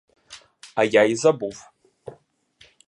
А я й забув.